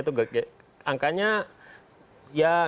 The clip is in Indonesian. itu angkanya ya nggak terlalu besar besar